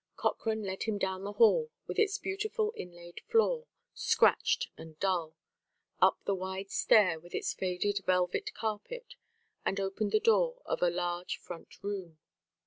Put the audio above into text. Cochrane led him down the hall with its beautiful inlaid floor, scratched and dull, up the wide stair with its faded velvet carpet, and opened the door of a large front room.